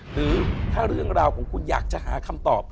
หรือถ้าเรื่องราวของคุณอยากจะหาคำตอบ